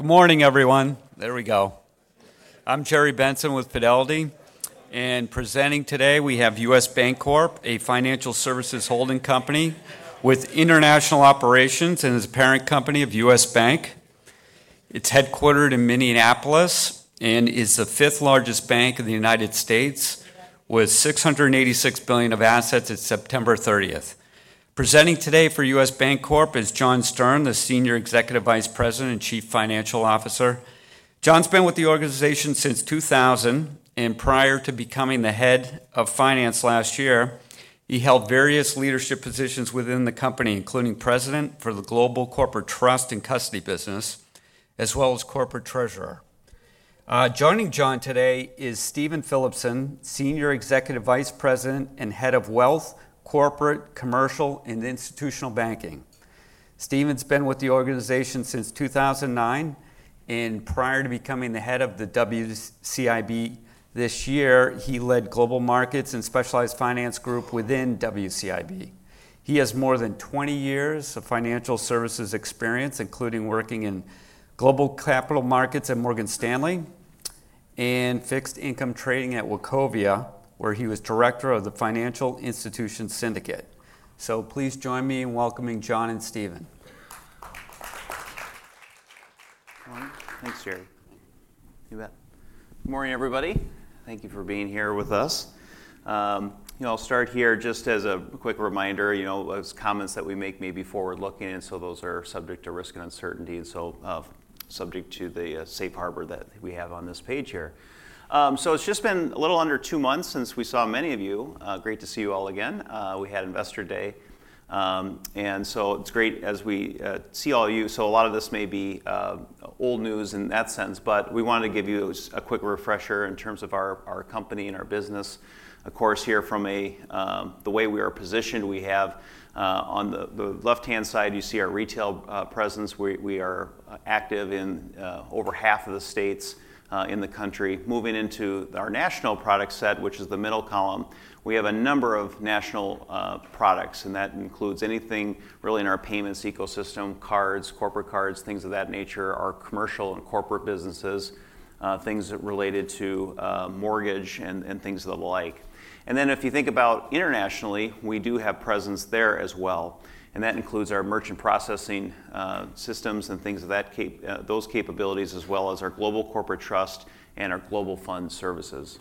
Good morning, everyone. There we go. I'm Jerry Bentsen with Fidelity. And presenting today, we have U.S. Bancorp, a financial services holding company with international operations and is a parent company of U.S. Bank. It's headquartered in Minneapolis and is the fifth largest bank in the United States, with $686 billion of assets as of September 30th. Presenting today for U.S. Bancorp is John Stern, the Senior Executive Vice President and Chief Financial Officer. John's been with the organization since 2000, and prior to becoming the head of finance last year, he held various leadership positions within the company, including President for the Global Corporate Trust and Custody business, as well as Corporate Treasurer. Joining John today is Stephen Philipson, Senior Executive Vice President and Head of Wealth, Corporate, Commercial, and Institutional Banking. Stephen's been with the organization since 2009, and prior to becoming the head of the WCIB this year, he led Global Markets and Specialized Finance group within WCIB. He has more than 20 years of financial services experience, including working in global capital markets at Morgan Stanley and fixed income trading at Wachovia, where he was Director of the Financial Institutions Syndicate, so please join me in welcoming John and Stephen. Thanks, Jerry. You bet. Good morning, everybody. Thank you for being here with us. I'll start here just as a quick reminder, you know, those comments that we make may be forward-looking, and so those are subject to risk and uncertainty, and so subject to the safe harbor that we have on this page here. So it's just been a little under two months since we saw many of you. Great to see you all again. We had Investor Day, and so it's great as we see all of you. So a lot of this may be old news in that sense, but we wanted to give you a quick refresher in terms of our company and our business. Of course, here from the way we are positioned, we have on the left-hand side, you see our retail presence. We are active in over half of the states in the country. Moving into our national product set, which is the middle column, we have a number of national products, and that includes anything really in our payments ecosystem: cards, corporate cards, things of that nature, our commercial and corporate businesses, things related to mortgage, and things of the like. And then if you think about internationally, we do have presence there as well, and that includes our merchant processing systems and things of those capabilities, as well as our Global Corporate Trust and our Global Fund Services.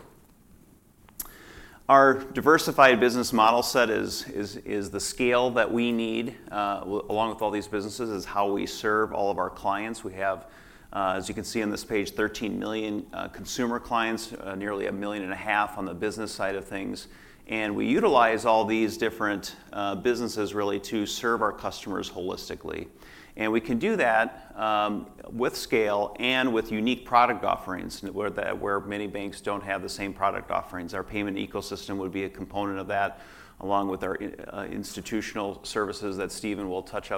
Our diversified business model set is the scale that we need, along with all these businesses, is how we serve all of our clients. We have, as you can see on this page, 13 million consumer clients, nearly 1.5 million on the business side of things, and we utilize all these different businesses really to serve our customers holistically. And we can do that with scale and with unique product offerings where many banks don't have the same product offerings. Our payment ecosystem would be a component of that, along with our institutional services that Stephen will touch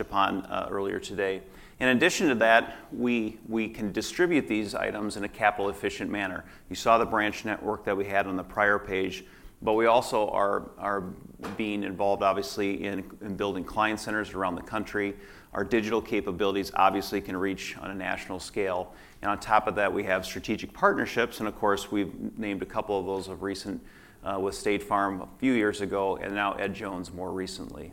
upon earlier today. In addition to that, we can distribute these items in a capital-efficient manner. You saw the branch network that we had on the prior page, but we also are being involved, obviously, in building client centers around the country. Our digital capabilities, obviously, can reach on a national scale. And on top of that, we have strategic partnerships, and of course, we've named a couple of those of recent with State Farm a few years ago, and now Ed Jones more recently.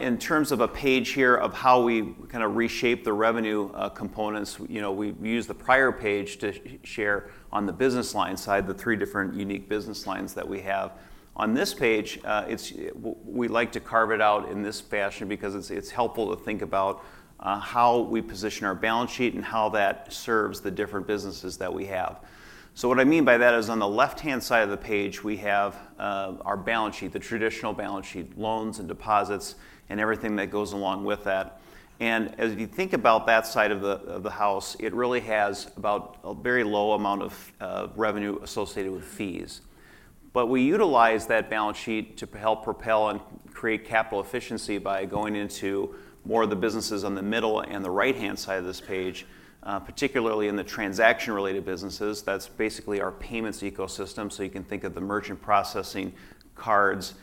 In terms of a page here of how we kind of reshape the revenue components, you know, we've used the prior page to share on the business line side, the three different unique business lines that we have. On this page, we like to carve it out in this fashion because it's helpful to think about how we position our balance sheet and how that serves the different businesses that we have. So what I mean by that is on the left-hand side of the page, we have our balance sheet, the traditional balance sheet, loans and deposits, and everything that goes along with that. And as you think about that side of the house, it really has about a very low amount of revenue associated with fees. But we utilize that balance sheet to help propel and create capital efficiency by going into more of the businesses on the middle and the right-hand side of this page, particularly in the transaction-related businesses. That's basically our payments ecosystem, so you can think of the merchant processing, cards,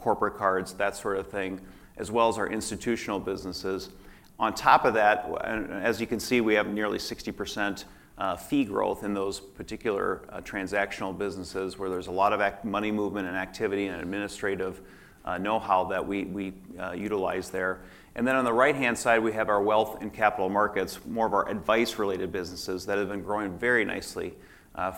corporate cards, that sort of thing, as well as our institutional businesses. On top of that, as you can see, we have nearly 60% fee growth in those particular transactional businesses where there's a lot of money movement and activity and administrative know-how that we utilize there. And then on the right-hand side, we have our wealth and capital markets, more of our advice-related businesses that have been growing very nicely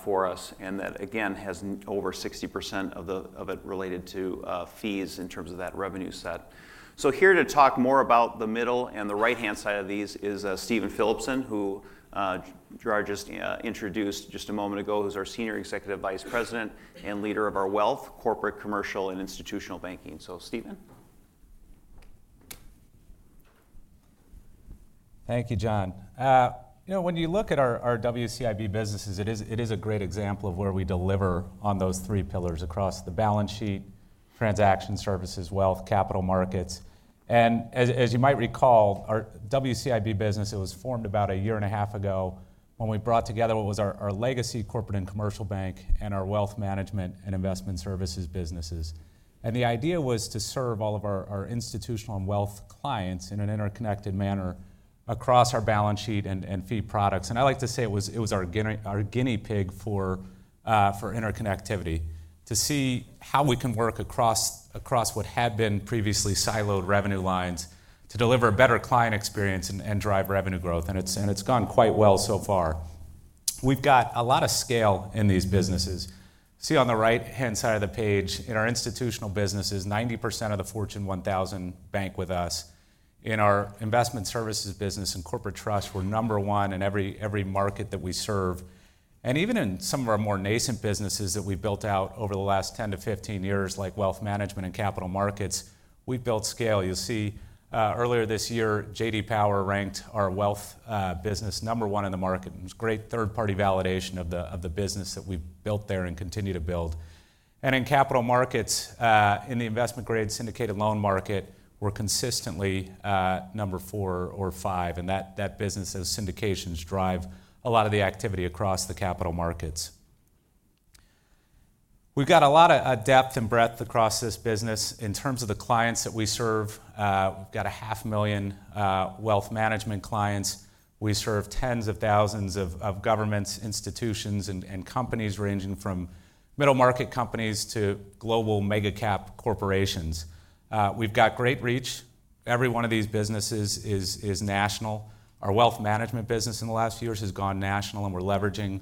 for us, and that, again, has over 60% of it related to fees in terms of that revenue set. So here to talk more about the middle and the right-hand side of these is Stephen Philipson, who Jerry just introduced just a moment ago, who's our Senior Executive Vice President and Leader of our Wealth, Corporate, Commercial, and Institutional Banking. So Stephen. Thank you, John. You know, when you look at our WCIB businesses, it is a great example of where we deliver on those three pillars across the balance sheet, transaction services, wealth, capital markets. And as you might recall, our WCIB business, it was formed about a year and a half ago when we brought together what was our legacy corporate and commercial bank and our wealth management and investment services businesses. And the idea was to serve all of our institutional and wealth clients in an interconnected manner across our balance sheet and fee products. I like to say it was our guinea pig for interconnectivity, to see how we can work across what had been previously siloed revenue lines to deliver a better client experience and drive revenue growth. It's gone quite well so far. We've got a lot of scale in these businesses. See on the right-hand side of the page, in our institutional businesses, 90% of the Fortune 1000 bank with us. In our investment services business and corporate trusts, we're number one in every market that we serve. Even in some of our more nascent businesses that we've built out over the last 10 to 15 years, like wealth management and capital markets, we've built scale. You'll see earlier this year, J.D. Power ranked our wealth business number one in the market. It was great third-party validation of the business that we built there and continue to build. In capital markets, in the investment-grade syndicated loan market, we're consistently number four or five. That business has syndications drive a lot of the activity across the capital markets. We've got a lot of depth and breadth across this business. In terms of the clients that we serve, we've got 500,000 wealth management clients. We serve tens of thousands of governments, institutions, and companies ranging from middle market companies to global mega-cap corporations. We've got great reach. Every one of these businesses is national. Our wealth management business in the last few years has gone national, and we're leveraging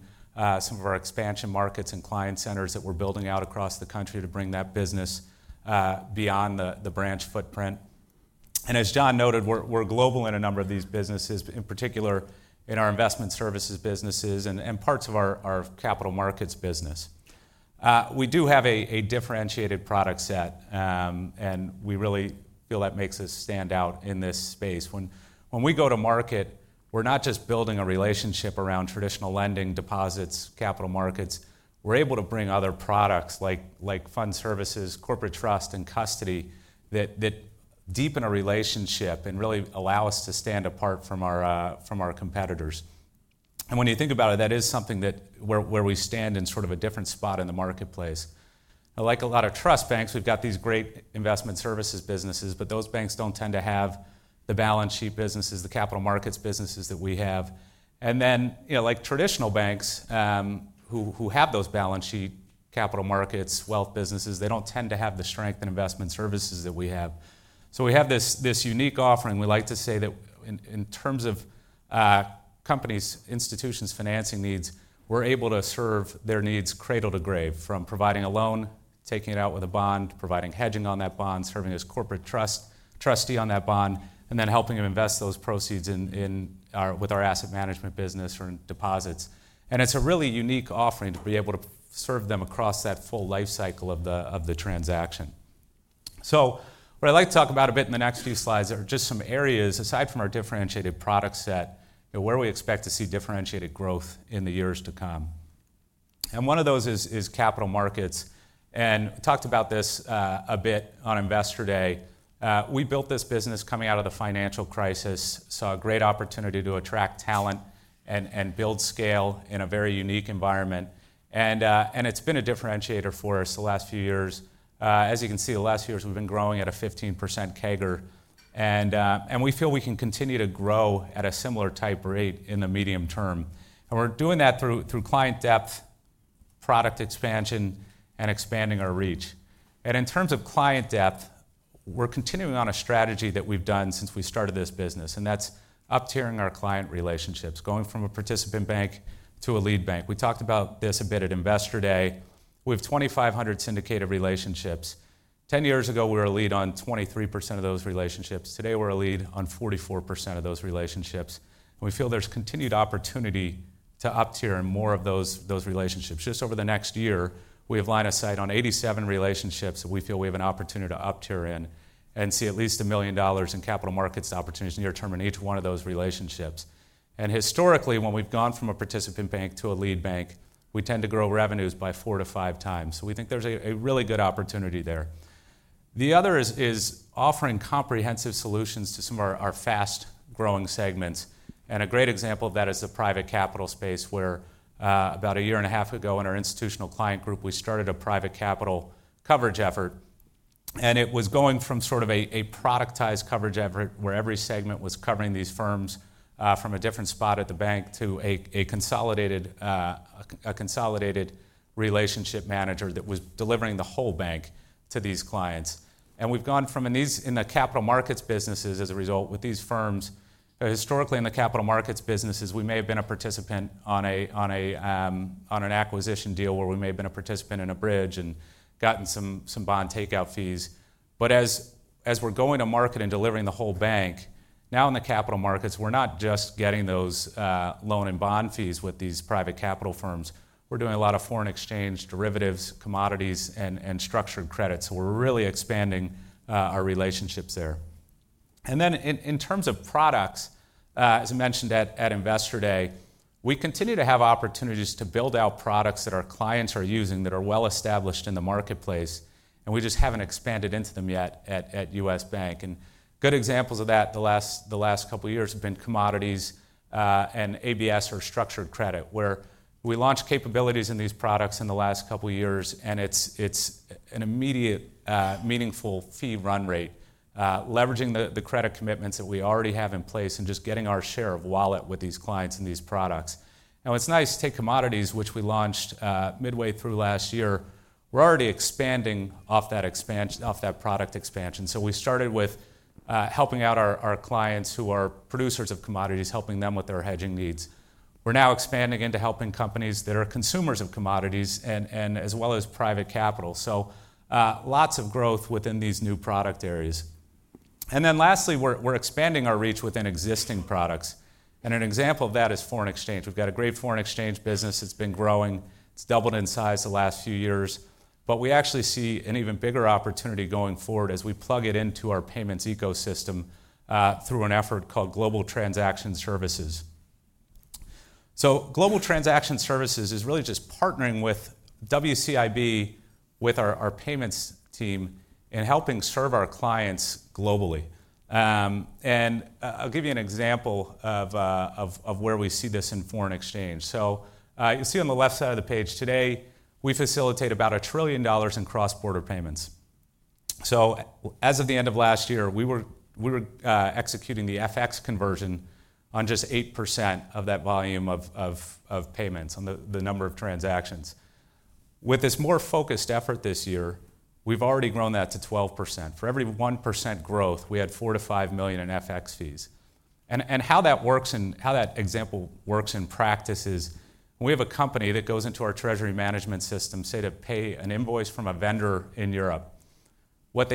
some of our expansion markets and client centers that we're building out across the country to bring that business beyond the branch footprint. And as John noted, we're global in a number of these businesses, in particular in our investment services businesses and parts of our capital markets business. We do have a differentiated product set, and we really feel that makes us stand out in this space. When we go to market, we're not just building a relationship around traditional lending, deposits, capital markets. We're able to bring other products like fund services, corporate trust, and custody that deepen a relationship and really allow us to stand apart from our competitors. And when you think about it, that is something where we stand in sort of a different spot in the marketplace. Like a lot of trust banks, we've got these great investment services businesses, but those banks don't tend to have the balance sheet businesses, the capital markets businesses that we have. You know, like traditional banks who have those balance sheet, capital markets, wealth businesses, they don't tend to have the strength in investment services that we have. We have this unique offering. We like to say that in terms of companies, institutions, financing needs, we're able to serve their needs cradle to grave, from providing a loan, taking it out with a bond, providing hedging on that bond, serving as corporate trustee on that bond, and then helping them invest those proceeds with our asset management business or in deposits. It's a really unique offering to be able to serve them across that full life cycle of the transaction. What I'd like to talk about a bit in the next few slides are just some areas aside from our differentiated product set where we expect to see differentiated growth in the years to come. One of those is capital markets. We talked about this a bit on Investor Day. We built this business coming out of the financial crisis, saw a great opportunity to attract talent and build scale in a very unique environment. It's been a differentiator for us the last few years. As you can see, the last few years we've been growing at a 15% CAGR. We feel we can continue to grow at a similar type rate in the medium term. We're doing that through client depth, product expansion, and expanding our reach. In terms of client depth, we're continuing on a strategy that we've done since we started this business, and that's up-tiering our client relationships, going from a participant bank to a lead bank. We talked about this a bit at Investor Day. We have 2,500 syndicated relationships. Ten years ago, we were a lead on 23% of those relationships. Today, we're a lead on 44% of those relationships. We feel there's continued opportunity to up-tier in more of those relationships. Just over the next year, we have a line of sight on 87 relationships that we feel we have an opportunity to up-tier in and see at least $1 million in capital markets opportunities near-term in each one of those relationships. Historically, when we've gone from a participant bank to a lead bank, we tend to grow revenues by four to five times. We think there's a really good opportunity there. The other is offering comprehensive solutions to some of our fast-growing segments. A great example of that is the private capital space, where about a year and a half ago in our Institutional Client Group, we started a private capital coverage effort. And it was going from sort of a productized coverage effort where every segment was covering these firms from a different spot at the bank to a consolidated relationship manager that was delivering the whole bank to these clients. And we've gone from, in the capital markets businesses as a result, with these firms, historically in the capital markets businesses, we may have been a participant on an acquisition deal where we may have been a participant in a bridge and gotten some bond takeout fees. But as we're going to market and delivering the whole bank, now in the capital markets, we're not just getting those loan and bond fees with these private capital firms. We're doing a lot of foreign exchange, derivatives, commodities, and structured credit. So we're really expanding our relationships there. And then in terms of products, as I mentioned at Investor Day, we continue to have opportunities to build out products that our clients are using that are well-established in the marketplace, and we just haven't expanded into them yet at U.S. Bank. And good examples of that the last couple of years have been commodities and ABS or structured credit, where we launched capabilities in these products in the last couple of years, and it's an immediate, meaningful fee run rate, leveraging the credit commitments that we already have in place and just getting our share of wallet with these clients and these products. Now, it's nice to take commodities, which we launched midway through last year. We're already expanding off that product expansion. So we started with helping out our clients who are producers of commodities, helping them with their hedging needs. We're now expanding into helping companies that are consumers of commodities and as well as private capital. So lots of growth within these new product areas. And then lastly, we're expanding our reach within existing products. And an example of that is foreign exchange. We've got a great foreign exchange business. It's been growing. It's doubled in size the last few years. But we actually see an even bigger opportunity going forward as we plug it into our payments ecosystem through an effort called Global Transaction Services. So Global Transaction Services is really just partnering with WCIB, with our payments team, in helping serve our clients globally. And I'll give you an example of where we see this in foreign exchange. So you'll see on the left side of the page today, we facilitate about $1 trillion in cross-border payments. As of the end of last year, we were executing the FX conversion on just 8% of that volume of payments, on the number of transactions. With this more focused effort this year, we've already grown that to 12%. For every 1% growth, we had $4 million-$5 million in FX fees, and how that works and how that example works in practice is we have a company that goes into our treasury management system, say, to pay an invoice from a vendor in Europe. What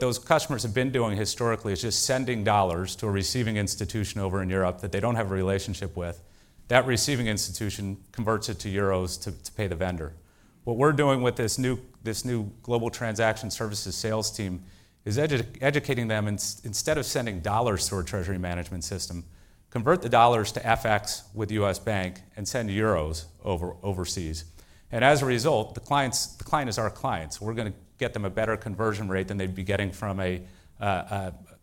those customers have been doing historically is just sending dollars to a receiving institution over in Europe that they don't have a relationship with. That receiving institution converts it to euros to pay the vendor. What we're doing with this new Global Transaction Services sales team is educating them instead of sending dollars through our treasury management system, convert the dollars to FX with U.S. Bank and send euros overseas. And as a result, the client is our client. So we're going to get them a better conversion rate than they'd be getting from a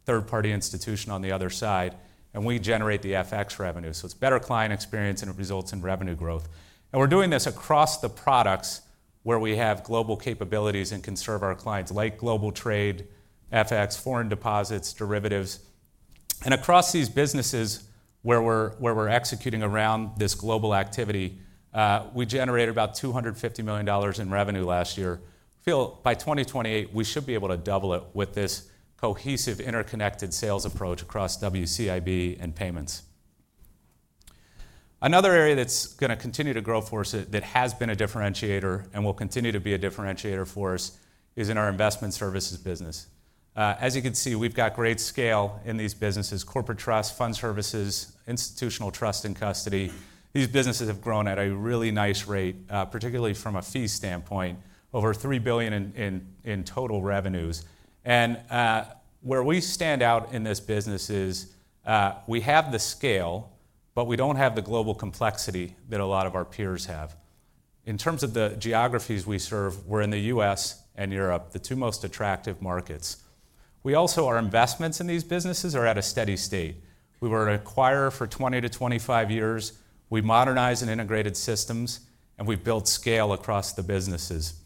third-party institution on the other side. And we generate the FX revenue. So it's better client experience, and it results in revenue growth. And we're doing this across the products where we have global capabilities and can serve our clients, like global trade, FX, foreign deposits, derivatives. And across these businesses where we're executing around this global activity, we generated about $250 million in revenue last year. We feel by 2028, we should be able to double it with this cohesive, interconnected sales approach across WCIB and payments. Another area that's going to continue to grow for us, that has been a differentiator and will continue to be a differentiator for us, is in our investment services business. As you can see, we've got great scale in these businesses: corporate trust, fund services, institutional trust, and custody. These businesses have grown at a really nice rate, particularly from a fee standpoint, over $3 billion in total revenues. And where we stand out in this business is we have the scale, but we don't have the global complexity that a lot of our peers have. In terms of the geographies we serve, we're in the U.S. and Europe, the two most attractive markets. We also, our investments in these businesses are at a steady state. We were an acquirer for 20-25 years. We modernized and integrated systems, and we've built scale across the businesses.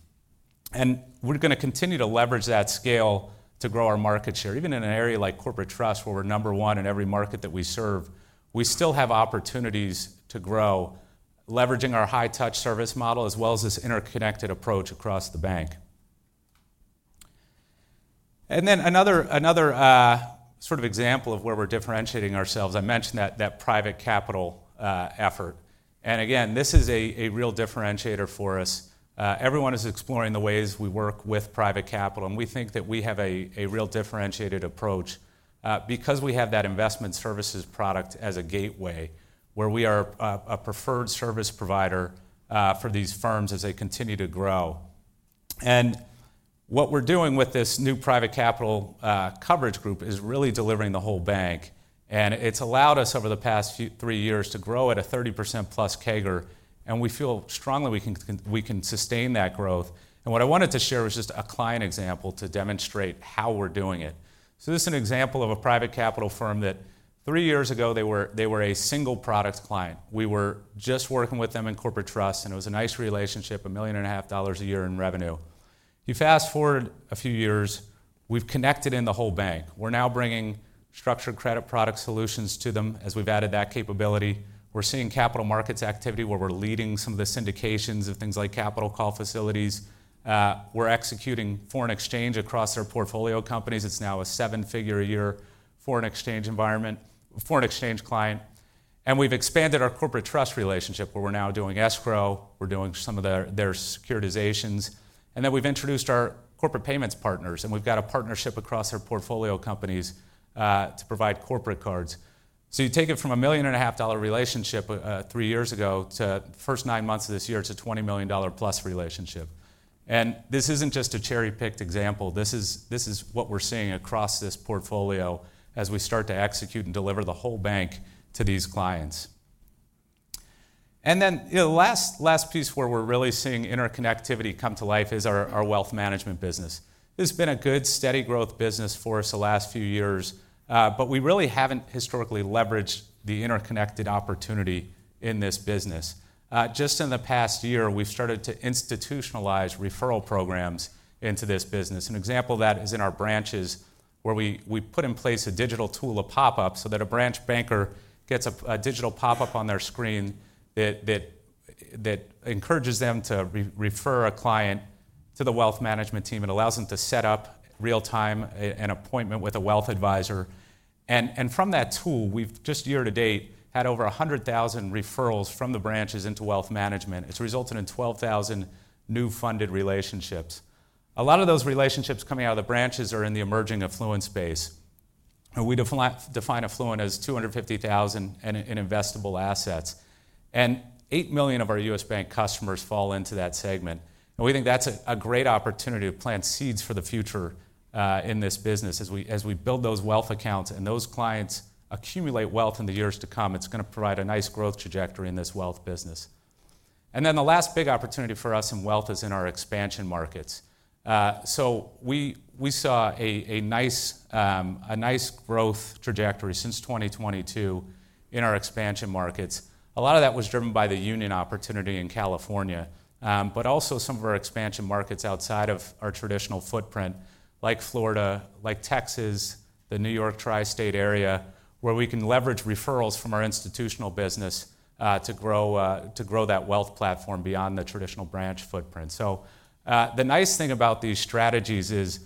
We're going to continue to leverage that scale to grow our market share. Even in an area like corporate trust, where we're number one in every market that we serve, we still have opportunities to grow, leveraging our high-touch service model as well as this interconnected approach across the bank. Another sort of example of where we're differentiating ourselves, I mentioned that private capital effort. Again, this is a real differentiator for us. Everyone is exploring the ways we work with private capital. We think that we have a real differentiated approach because we have that investment services product as a gateway, where we are a preferred service provider for these firms as they continue to grow. What we're doing with this new private capital coverage group is really delivering the whole bank. And it's allowed us over the past three years to grow at a 30%+ CAGR. And we feel strongly we can sustain that growth. And what I wanted to share was just a client example to demonstrate how we're doing it. So this is an example of a private capital firm that three years ago, they were a single product client. We were just working with them in corporate trust, and it was a nice relationship, $1.5 million a year in revenue. If you fast forward a few years, we've connected in the whole bank. We're now bringing structured credit product solutions to them as we've added that capability. We're seeing capital markets activity, where we're leading some of the syndications of things like capital call facilities. We're executing foreign exchange across our portfolio companies. It's now a seven-figure a year foreign exchange client. We've expanded our corporate trust relationship, where we're now doing escrow. We're doing some of their securitizations. And then we've introduced our corporate payments partners. And we've got a partnership across our portfolio companies to provide corporate cards. So you take it from a $1.5 million relationship three years ago to the first nine months of this year to a $20+ million relationship. And this isn't just a cherry-picked example. This is what we're seeing across this portfolio as we start to execute and deliver the whole bank to these clients. And then the last piece where we're really seeing interconnectivity come to life is our wealth management business. It's been a good, steady growth business for us the last few years. But we really haven't historically leveraged the interconnected opportunity in this business. Just in the past year, we've started to institutionalize referral programs into this business. An example of that is in our branches, where we put in place a digital tool, a pop-up, so that a branch banker gets a digital pop-up on their screen that encourages them to refer a client to the wealth management team. It allows them to set up real-time an appointment with a wealth advisor, and from that tool, we've just year to date had over 100,000 referrals from the branches into wealth management. It's resulted in 12,000 new funded relationships. A lot of those relationships coming out of the branches are in the emerging affluent space, and we define affluent as $250,000 in investable assets. And 8 million of our U.S. Bank customers fall into that segment, and we think that's a great opportunity to plant seeds for the future in this business. As we build those wealth accounts and those clients accumulate wealth in the years to come, it's going to provide a nice growth trajectory in this wealth business. And then the last big opportunity for us in wealth is in our expansion markets. So we saw a nice growth trajectory since 2022 in our expansion markets. A lot of that was driven by the Union opportunity in California, but also some of our expansion markets outside of our traditional footprint, like Florida, like Texas, the New York Tri-State Area, where we can leverage referrals from our institutional business to grow that wealth platform beyond the traditional branch footprint. So the nice thing about these strategies is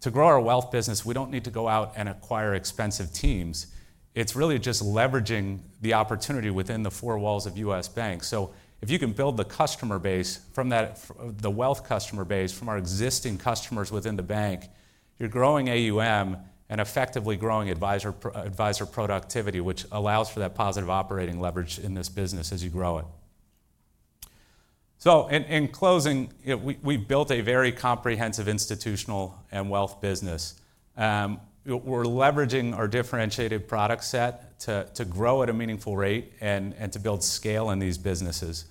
to grow our wealth business, we don't need to go out and acquire expensive teams. It's really just leveraging the opportunity within the four walls of U.S. Bank. So if you can build the customer base from the wealth customer base from our existing customers within the bank, you're growing AUM and effectively growing advisor productivity, which allows for that positive operating leverage in this business as you grow it. So in closing, we've built a very comprehensive institutional and wealth business. We're leveraging our differentiated product set to grow at a meaningful rate and to build scale in these businesses.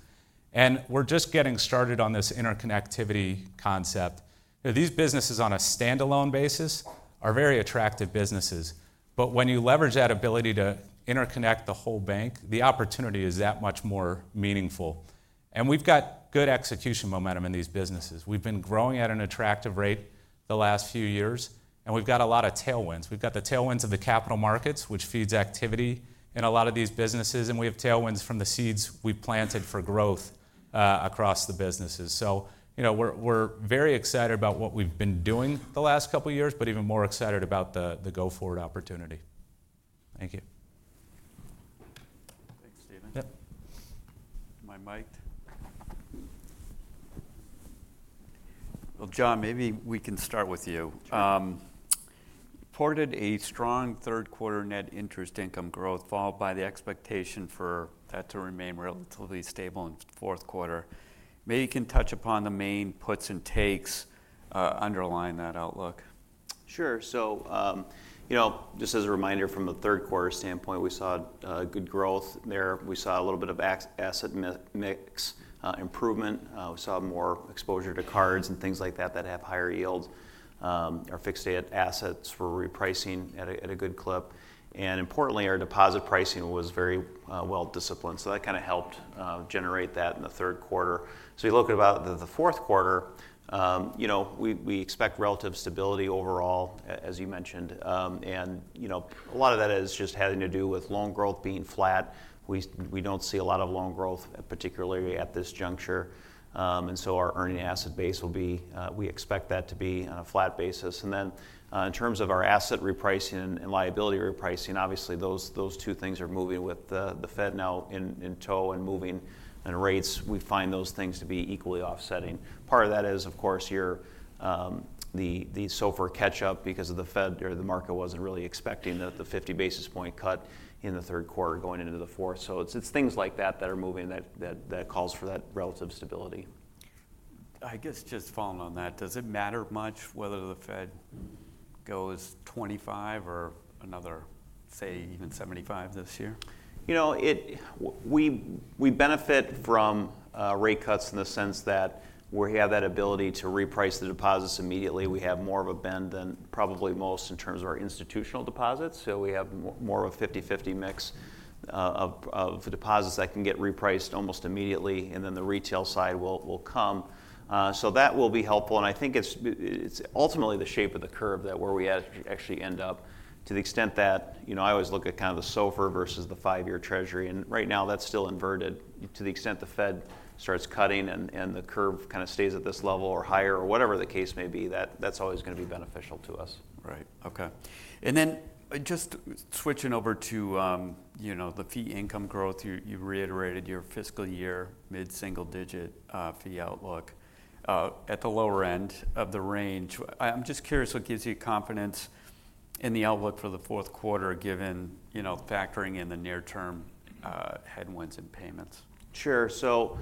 And we're just getting started on this interconnectivity concept. These businesses on a standalone basis are very attractive businesses. But when you leverage that ability to interconnect the whole bank, the opportunity is that much more meaningful. And we've got good execution momentum in these businesses. We've been growing at an attractive rate the last few years. And we've got a lot of tailwinds. We've got the tailwinds of the capital markets, which feeds activity in a lot of these businesses, and we have tailwinds from the seeds we've planted for growth across the businesses, so we're very excited about what we've been doing the last couple of years, but even more excited about the go-forward opportunity. Thank you. Thanks, Stephen. My mic, well, John, maybe we can start with you. Reported a strong third-quarter net interest income growth, followed by the expectation for that to remain relatively stable in fourth quarter. Maybe you can touch upon the main puts and takes underlying that outlook. Sure. So just as a reminder, from a third-quarter standpoint, we saw good growth there. We saw a little bit of asset mix improvement. We saw more exposure to cards and things like that that have higher yields. Our fixed assets were repricing at a good clip. And importantly, our deposit pricing was very well disciplined. So that kind of helped generate that in the third quarter. So you look at the fourth quarter, we expect relative stability overall, as you mentioned. And a lot of that is just having to do with loan growth being flat. We don't see a lot of loan growth, particularly at this juncture. And so our earning asset base, we expect that to be on a flat basis. Then in terms of our asset repricing and liability repricing, obviously, those two things are moving with the Fed now in tow and moving in rates. We find those things to be equally offsetting. Part of that is, of course, the SOFR catch-up because of the Fed or the market wasn't really expecting the 50 basis point cut in the third quarter going into the fourth. It's things like that that are moving that calls for that relative stability. I guess just following on that, does it matter much whether the Fed goes 25 or another, say, even 75 this year? We benefit from rate cuts in the sense that we have that ability to reprice the deposits immediately. We have more of a bend than probably most in terms of our institutional deposits. So we have more of a 50/50 mix of deposits that can get repriced almost immediately. And then the retail side will come. So that will be helpful. And I think it's ultimately the shape of the curve that where we actually end up, to the extent that I always look at kind of the SOFR versus the five-year Treasury. And right now, that's still inverted. To the extent the Fed starts cutting and the curve kind of stays at this level or higher or whatever the case may be, that's always going to be beneficial to us. Right. Okay. And then just switching over to the fee income growth, you reiterated your fiscal year mid-single-digit fee outlook at the lower end of the range. I'm just curious what gives you confidence in the outlook for the fourth quarter, given factoring in the near-term headwinds in payments? Sure, so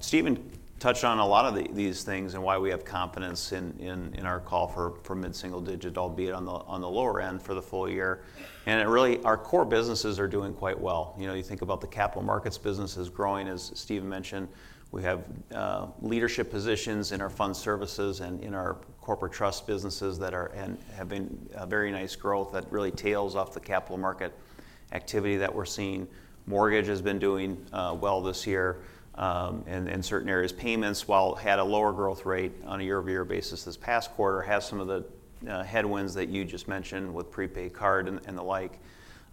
Stephen touched on a lot of these things and why we have confidence in our call for mid-single digit, albeit on the lower end for the full year, and really, our core businesses are doing quite well. You think about the capital markets businesses growing, as Stephen mentioned. We have leadership positions in our fund services and in our corporate trust businesses that are having very nice growth that really tails off the capital market activity that we're seeing. Mortgage has been doing well this year in certain areas. Payments, while had a lower growth rate on a year-over-year basis this past quarter, has some of the headwinds that you just mentioned with prepaid card and the like,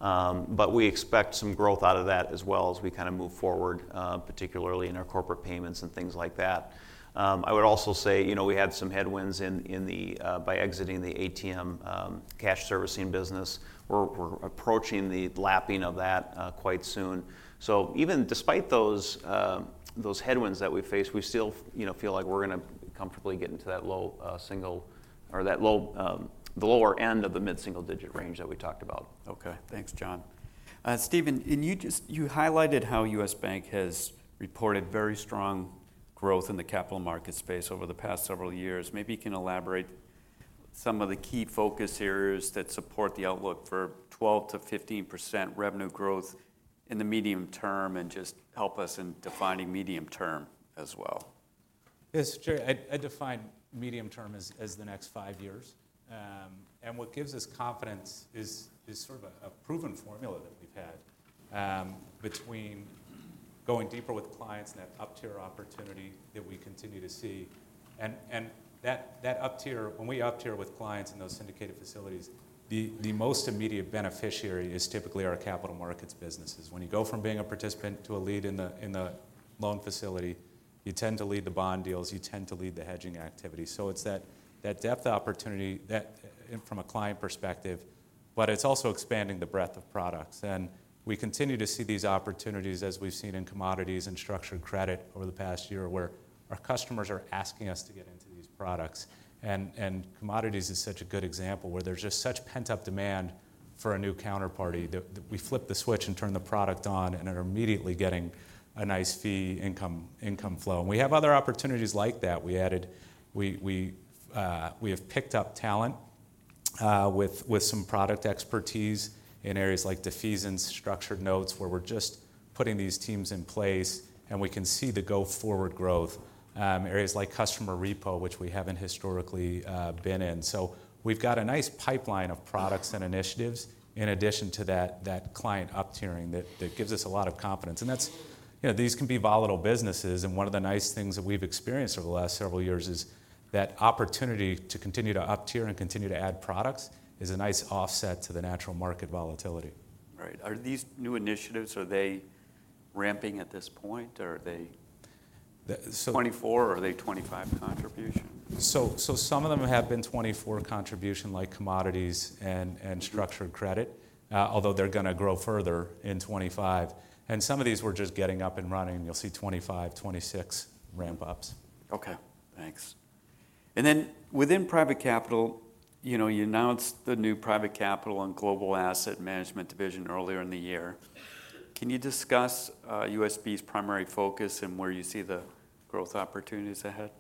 but we expect some growth out of that as well as we kind of move forward, particularly in our corporate payments and things like that. I would also say we had some headwinds by exiting the ATM cash servicing business. We're approaching the lapping of that quite soon. So even despite those headwinds that we face, we still feel like we're going to comfortably get into that low single or the lower end of the mid-single digit range that we talked about. Okay. Thanks, John. Stephen, you highlighted how U.S. Bank has reported very strong growth in the capital market space over the past several years. Maybe you can elaborate some of the key focus areas that support the outlook for 12%-15% revenue growth in the medium term and just help us in defining medium term as well. Yes, sure. I define medium term as the next five years. And what gives us confidence is sort of a proven formula that we've had between going deeper with clients and that uptier opportunity that we continue to see. And that uptier, when we uptier with clients in those syndicated facilities, the most immediate beneficiary is typically our capital markets businesses. When you go from being a participant to a lead in the loan facility, you tend to lead the bond deals. You tend to lead the hedging activity. So it's that depth opportunity from a client perspective, but it's also expanding the breadth of products. And we continue to see these opportunities as we've seen in commodities and structured credit over the past year, where our customers are asking us to get into these products. And commodities is such a good example where there's just such pent-up demand for a new counterparty that we flip the switch and turn the product on and are immediately getting a nice fee income flow. And we have other opportunities like that. We have picked up talent with some product expertise in areas like defeasance, structured notes, where we're just putting these teams in place. And we can see the go-forward growth, areas like customer repo, which we haven't historically been in. So we've got a nice pipeline of products and initiatives in addition to that client uptiering that gives us a lot of confidence. And these can be volatile businesses. And one of the nice things that we've experienced over the last several years is that opportunity to continue to uptier and continue to add products is a nice offset to the natural market volatility. Right. Are these new initiatives, are they ramping at this point? Are they 2024? Are they 2025 contribution? So some of them have been 2024 contribution like commodities and structured credit, although they're going to grow further in 2025. And some of these we're just getting up and running. You'll see 2025, 2026 ramp-ups. Okay. Thanks. And then within Private Capital, you announced the new Private Capital and Global Asset Management division earlier in the year. Can you discuss USB's primary focus and where you see the growth opportunities ahead?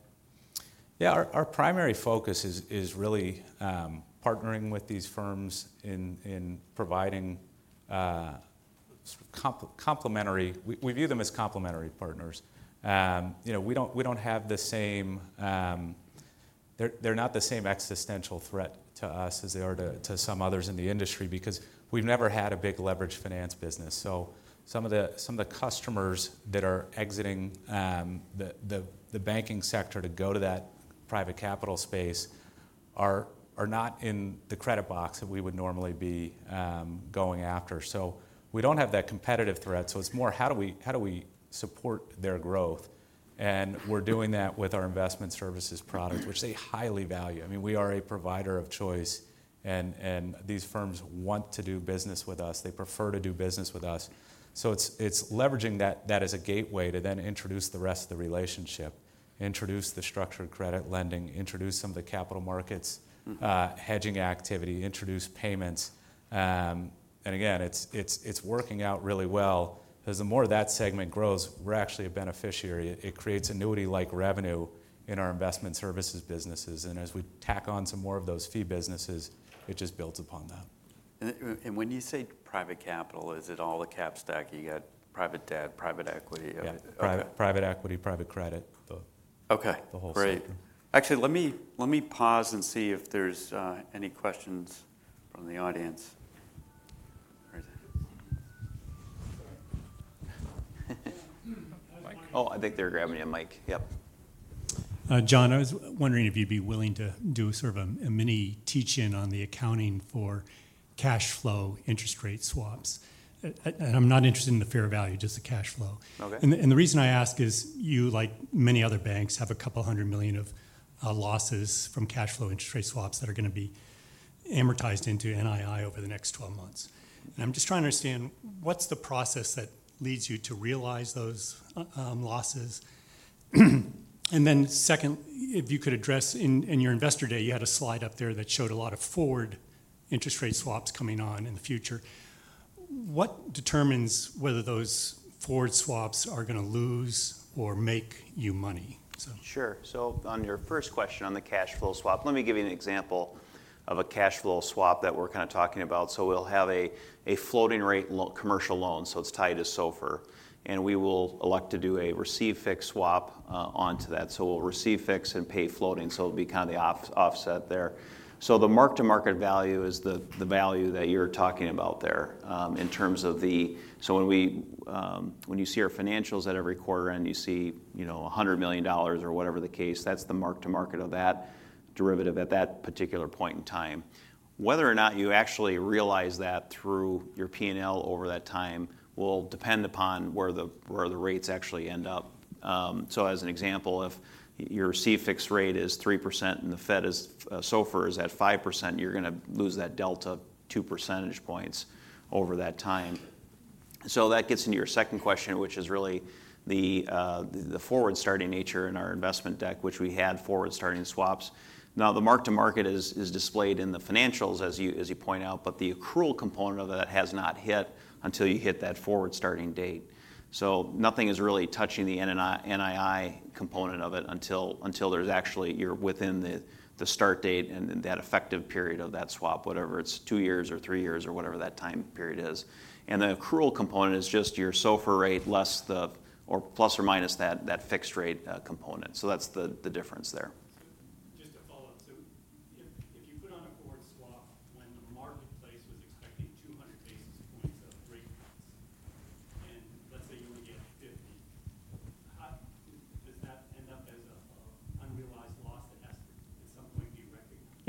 Yeah. Our primary focus is really partnering with these firms in providing complementary. We view them as complementary partners. We don't have the same. They're not the same existential threat to us as they are to some others in the industry because we've never had a big leverage finance business. So some of the customers that are exiting the banking sector to go to that private capital space are not in the credit box that we would normally be going after. So we don't have that competitive threat. So it's more, how do we support their growth? And we're doing that with our investment services products, which they highly value. I mean, we are a provider of choice, and these firms want to do business with us. They prefer to do business with us. So it's leveraging that as a gateway to then introduce the rest of the relationship, introduce the structured credit lending, introduce some of the capital markets hedging activity, introduce payments. And again, it's working out really well because the more that segment grows, we're actually a beneficiary. It creates annuity-like revenue in our investment services businesses. And as we tack on some more of those fee businesses, it just builds upon that. And when you say private capital, is it all the cap stack? You got private debt, private equity? Yeah. Private equity, private credit. Okay. Great. Actually, let me pause and see if there's any questions from the audience. Oh, I think they're grabbing your mic. Yep. John, I was wondering if you'd be willing to do sort of a mini teach-in on the accounting for cash flow interest rate swaps. And I'm not interested in the fair value, just the cash flow. And the reason I ask is you, like many other banks, have a couple hundred million of losses from cash flow interest rate swaps that are going to be amortized into NII over the next 12 months. And I'm just trying to understand what's the process that leads you to realize those losses. And then second, if you could address in your investor day, you had a slide up there that showed a lot of forward interest rate swaps coming on in the future. What determines whether those forward swaps are going to lose or make you money? Sure. So on your first question on the cash flow swap, let me give you an example of a cash flow swap that we're kind of talking about. So we'll have a floating-rate commercial loan. So it's tied to SOFR. And we will elect to do a receive-fix swap onto that. So we'll receive-fix and pay floating. So it'll be kind of the offset there. So the mark-to-market value is the value that you're talking about there in terms of, so when you see our financials at every quarter and you see $100 million or whatever the case, that's the mark-to-market of that derivative at that particular point in time. Whether or not you actually realize that through your P&L over that time will depend upon where the rates actually end up. So as an example, if your receive-fix rate is 3% and the SOFR is at 5%, you're going to lose that delta 2 percentage points over that time. So that gets into your second question, which is really the forward-starting nature in our investment deck, which we had forward-starting swaps. Now, the mark-to-market is displayed in the financials, as you point out, but the accrual component of that has not hit until you hit that forward-starting date. So nothing is really touching the NII component of it until there's actually you're within the start date and that effective period of that swap, whatever it's two years or three years or whatever that time period is. And the accrual component is just your SOFR rate plus or minus that fixed rate component. So that's the difference there.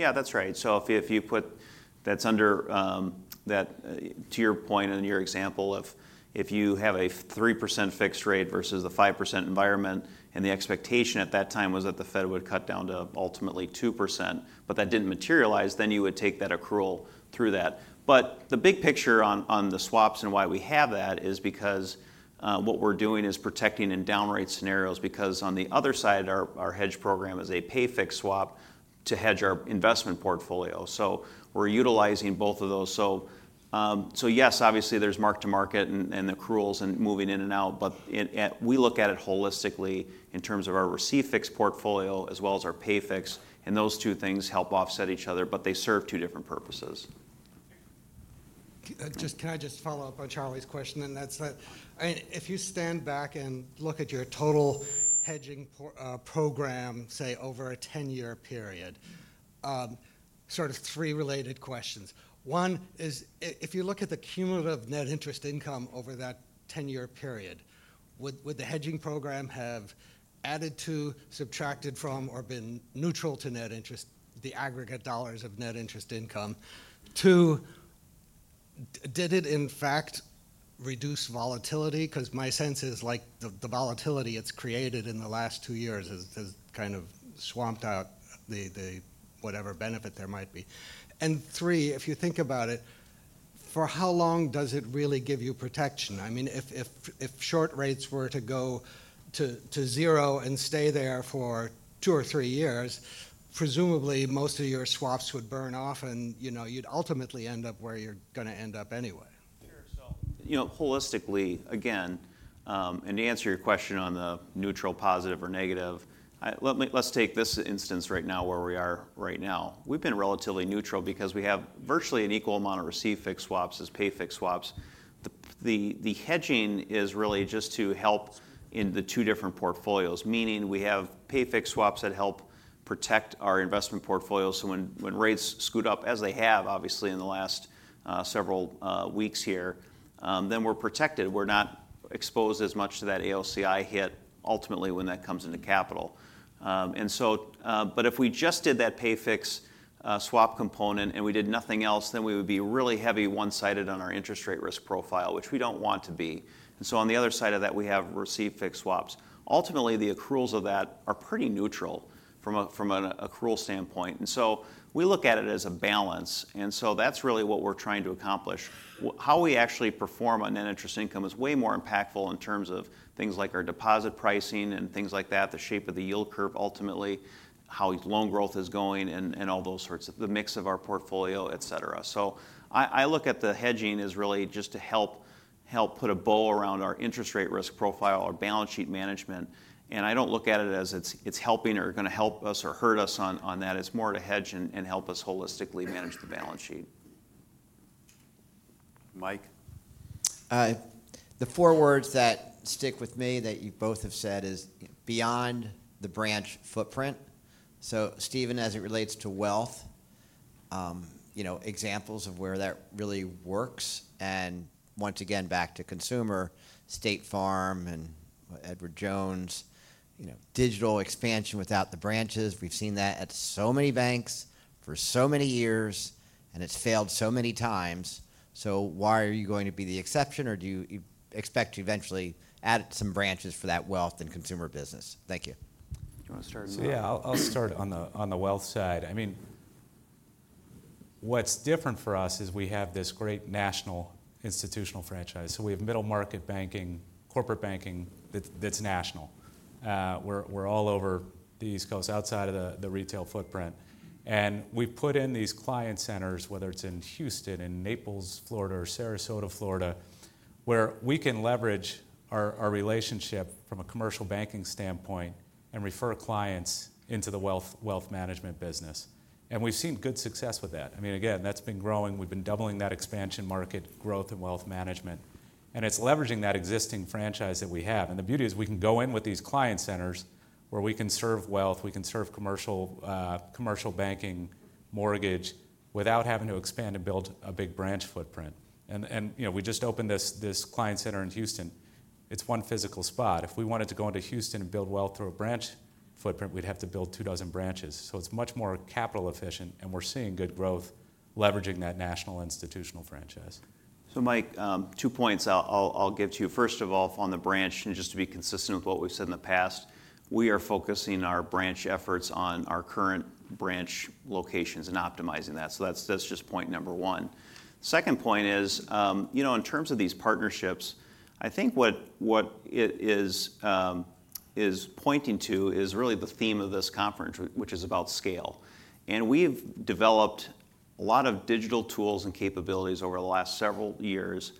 Just a follow-up. So if you put on a forward swap when the marketplace was expecting 200 basis points of rate cuts, and let's say you only get 50, does that end up as an unrealized loss that has to at some point be recognized? Yeah, that's right, so if you put that's under that to your point and your example of if you have a 3% fixed rate versus the 5% environment and the expectation at that time was that the Fed would cut down to ultimately 2%, but that didn't materialize, then you would take that accrual through that, but the big picture on the swaps and why we have that is because what we're doing is protecting in down-rate scenarios because on the other side, our hedge program is a pay-fix swap to hedge our investment portfolio, so we're utilizing both of those, so yes, obviously, there's mark-to-market and accruals and moving in and out, but we look at it holistically in terms of our receive-fix portfolio as well as our pay-fix, and those two things help offset each other, but they serve two different purposes. Can I just follow up on Charlie's question, and that's that if you stand back and look at your total hedging program, say, over a 10-year period, sort of three related questions. One is if you look at the cumulative net interest income over that 10-year period, would the hedging program have added to, subtracted from, or been neutral to net interest, the aggregate dollars of net interest income? Two, did it in fact reduce volatility? Because my sense is like the volatility it's created in the last two years has kind of swamped out the whatever benefit there might be. And three, if you think about it, for how long does it really give you protection? I mean, if short rates were to go to zero and stay there for two or three years, presumably most of your swaps would burn off and you'd ultimately end up where you're going to end up anyway. Holistically, again, and to answer your question on the neutral, positive, or negative, let's take this instance right now where we are right now. We've been relatively neutral because we have virtually an equal amount of receive-fix swaps as pay-fix swaps. The hedging is really just to help in the two different portfolios, meaning we have pay-fix swaps that help protect our investment portfolios, so when rates scoot up, as they have, obviously, in the last several weeks here, then we're protected. We're not exposed as much to that AOCI hit ultimately when that comes into capital, and so but if we just did that pay-fix swap component and we did nothing else, then we would be really heavy one-sided on our interest rate risk profile, which we don't want to be, and so on the other side of that, we have receive-fix swaps. Ultimately, the accruals of that are pretty neutral from an accrual standpoint. And so we look at it as a balance. And so that's really what we're trying to accomplish. How we actually perform on net interest income is way more impactful in terms of things like our deposit pricing and things like that, the shape of the yield curve ultimately, how loan growth is going and all those sorts, the mix of our portfolio, etc. So I look at the hedging as really just to help put a bow around our interest rate risk profile, our balance sheet management. And I don't look at it as it's helping or going to help us or hurt us on that. It's more to hedge and help us holistically manage the balance sheet. Mike. The four words that stick with me that you both have said is beyond the branch footprint. So, Stephen, as it relates to wealth, examples of where that really works. And once again, back to consumer, State Farm and Edward Jones, digital expansion without the branches. We've seen that at so many banks for so many years, and it's failed so many times. So why are you going to be the exception? Or do you expect to eventually add some branches for that wealth and consumer business? Thank you. Do you want to start? Yeah, I'll start on the wealth side. I mean, what's different for us is we have this great national institutional franchise. So we have middle market banking, corporate banking that's national. We're all over the East Coast, outside of the retail footprint. And we put in these client centers, whether it's in Houston, in Naples, Florida, or Sarasota, Florida, where we can leverage our relationship from a commercial banking standpoint and refer clients into the wealth management business. And we've seen good success with that. I mean, again, that's been growing. We've been doubling that expansion market growth and wealth management. And it's leveraging that existing franchise that we have. And the beauty is we can go in with these client centers where we can serve wealth, we can serve commercial banking, mortgage without having to expand and build a big branch footprint. We just opened this client center in Houston. It's one physical spot. If we wanted to go into Houston and build wealth through a branch footprint, we'd have to build two dozen branches. It's much more capital efficient, and we're seeing good growth leveraging that national institutional franchise. So, Mike, two points I'll give to you. First of all, on the branch, and just to be consistent with what we've said in the past, we are focusing our branch efforts on our current branch locations and optimizing that. So that's just point number one. Second point is in terms of these partnerships. I think what it is pointing to is really the theme of this conference, which is about scale. And we've developed a lot of digital tools and capabilities over the last several years.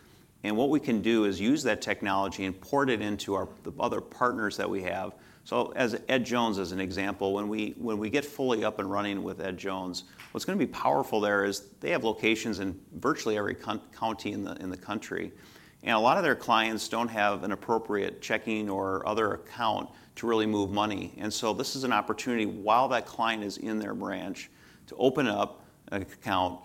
And what we can do is use that technology and port it into the other partners that we have. So as Ed Jones, as an example, when we get fully up and running with Ed Jones, what's going to be powerful there is they have locations in virtually every county in the country. A lot of their clients don't have an appropriate checking or other account to really move money. And so this is an opportunity while that client is in their branch to open up an account.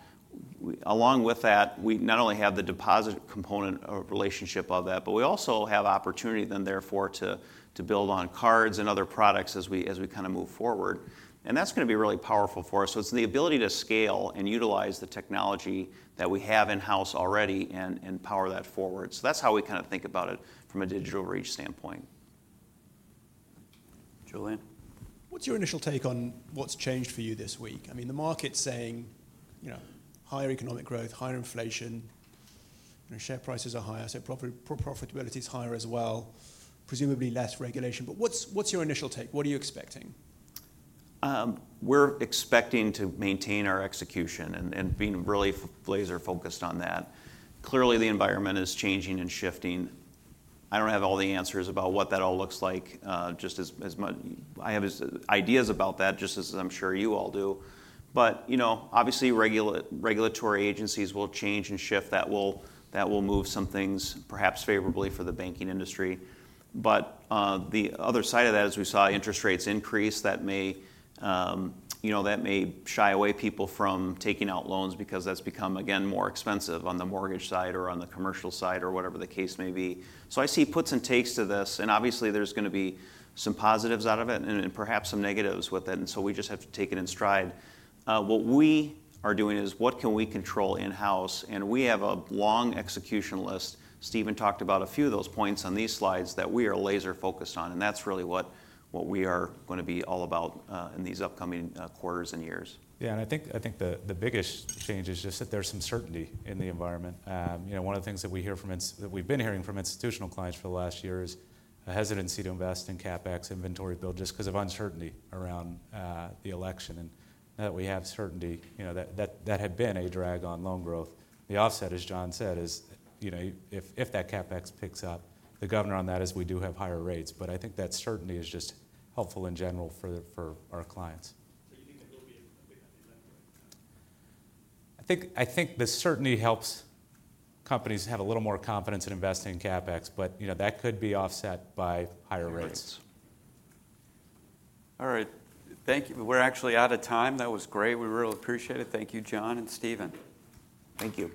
Along with that, we not only have the deposit component of relationship of that, but we also have opportunity then therefore to build on cards and other products as we kind of move forward. And that's going to be really powerful for us. So it's the ability to scale and utilize the technology that we have in-house already and power that forward. So that's how we kind of think about it from a digital reach standpoint. Julian. What's your initial take on what's changed for you this week? I mean, the market's saying higher economic growth, higher inflation. Share prices are higher, so profitability is higher as well. Presumably less regulation. But what's your initial take? What are you expecting? We're expecting to maintain our execution and being really laser-focused on that. Clearly, the environment is changing and shifting. I don't have all the answers about what that all looks like. Just as much I have ideas about that, just as I'm sure you all do. But obviously, regulatory agencies will change and shift. That will move some things perhaps favorably for the banking industry. But the other side of that, as we saw interest rates increase, that may shy away people from taking out loans because that's become, again, more expensive on the mortgage side or on the commercial side or whatever the case may be. So I see puts and takes to this. And obviously, there's going to be some positives out of it and perhaps some negatives with it. And so we just have to take it in stride. What we are doing is what can we control in-house? And we have a long execution list. Stephen talked about a few of those points on these slides that we are laser-focused on. And that's really what we are going to be all about in these upcoming quarters and years. Yeah. And I think the biggest change is just that there's some certainty in the environment. One of the things that we've been hearing from institutional clients for the last year is a hesitancy to invest in CapEx inventory build just because of uncertainty around the election. And now that we have certainty, that had been a drag on loan growth. The offset is, John said, is if that CapEx picks up, the governor on that is we do have higher rates. But I think that certainty is just helpful in general for our clients. So you think that there'll be a bigger event right now? I think the certainty helps companies have a little more confidence in investing in CapEx, but that could be offset by higher rates. All right. Thank you. We're actually out of time. That was great. We really appreciate it. Thank you, John and Stephen. Thank you.